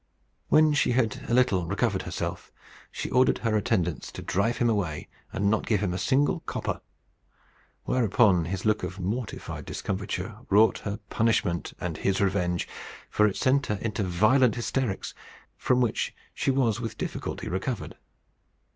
When she had a little recovered herself, she ordered her attendants to drive him away, and not give him a single copper; whereupon his look of mortified discomfiture wrought her punishment and his revenge, for it sent her into violent hysterics, from which she was with difficulty recovered.